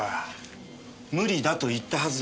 無理だと言ったはずです。